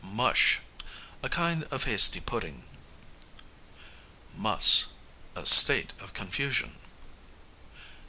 Mush, a kind of hasty pudding. Muss, a state of confusion.